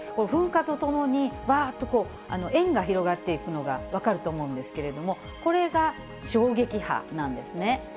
噴火とともにわーっとこう、円が広がっていくのが分かると思うんですけれども、これが衝撃波なんですね。